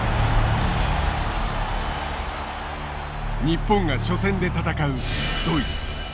日本が初戦で戦うドイツ。